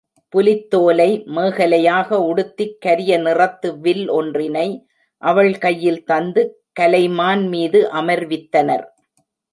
புலித்தோலை மேகலையாக உடுத்திக் கரிய நிறத்து வில் ஒன்றினை அவள் கையில் தந்து கலைமான் மீது அமர்வித்தனர்.